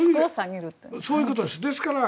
そういうことです。